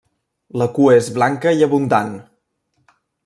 La cua és blanca i abundant.